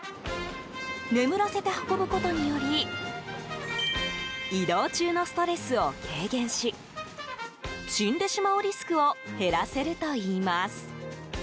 眠らせて運ぶことにより移動中のストレスを軽減し死んでしまうリスクを減らせるといいます。